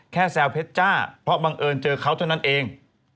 แซวเพชรจ้าเพราะบังเอิญเจอเขาเท่านั้นเอง